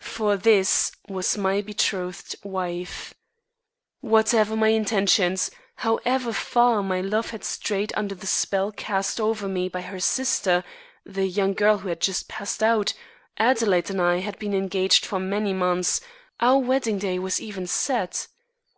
For this was my betrothed wife. Whatever my intentions, however far my love had strayed under the spell cast over me by her sister, the young girl who had just passed out, Adelaide and I had been engaged for many months; our wedding day was even set.